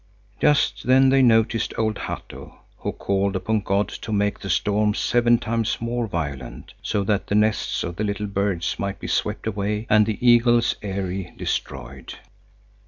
Just then they noticed old Hatto, who called upon God to make the storm seven times more violent, so that the nests of the little birds might be swept away and the eagle's eyrie destroyed.